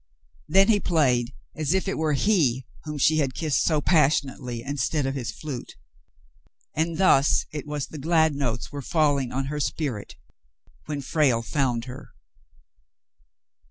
Then he played as if it were he whom she had kissed so passionately, instead of his flute ; and thus it w^as the glad notes were falling on her spirit when Frale found her.